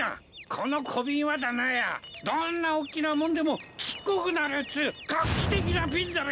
この小ビンはだなやどんなおっきなもんでもちっこくなるっつう画期的なビンだべさ！